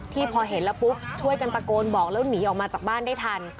พอเห็นแล้วปุ๊บช่วยกันตะโกนบอกแล้วหนีออกมาจากบ้านได้ทัน